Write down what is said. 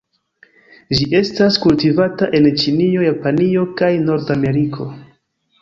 Ĝi estas kultivata en Ĉinio, Japanio kaj Nord-Ameriko.